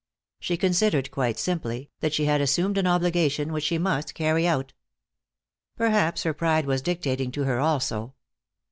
She considered, quite simply, that she had assumed an obligation which she must carry out. Perhaps her pride was dictating to her also.